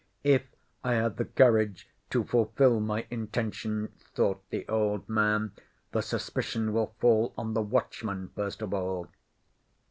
"If I have the courage to fulfil my intention," thought the old man, "the suspicion will fall on the watchman first of all."